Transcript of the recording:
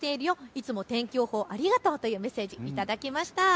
いつも天気予報ありがとうというメッセージを頂きました。